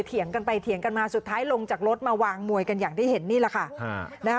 เถียงกันไปเถียงกันมาสุดท้ายลงจากรถมาวางมวยกันอย่างที่เห็นนี่แหละค่ะ